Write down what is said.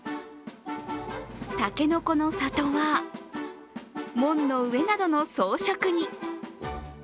たけのこの里は門の上などの装飾に。